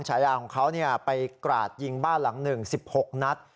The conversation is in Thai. ฉายาของเขาไปกราดยิงบ้านหลัง๑๖นัด